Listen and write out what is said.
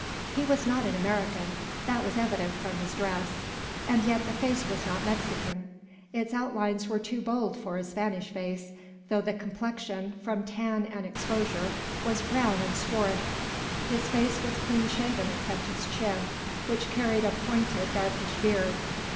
He was not an American; that was evident from his dress; and yet the face was not Mexican. Its outlines were too bold for a Spanish face, though the complexion, from tan and exposure, was brown and swarth. His face was clean shaven except his chin, which carried a pointed, darkish beard.